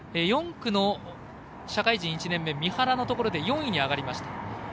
４区の社会人１年目三原のところで４位に上がりました。